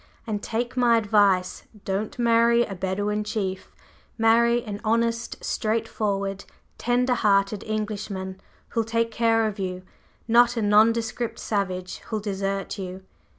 And take my advice: don't marry a Bedouin chief; marry an honest, straightforward, tender hearted Englishman who'll take care of you, not a nondescript savage who'll desert you!"